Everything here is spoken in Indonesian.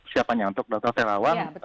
siapanya untuk dokter terawan